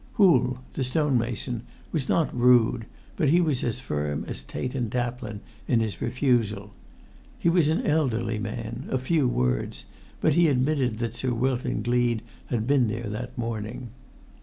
Hoole, the stonemason, was not rude, but he was as firm as Tait & Taplin in his refusal. He was an elderly man, of few words, but he admitted that Sir Wilton Gleed had been there that morning.